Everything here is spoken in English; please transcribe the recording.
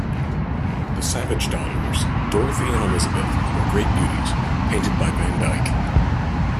The Savage daughters, Dorothy and Elizabeth, were great beauties, painted by Van Dyck.